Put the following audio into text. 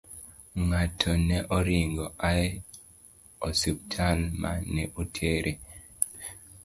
Ng'atno ne oringo oa e osiptal ma ne otere.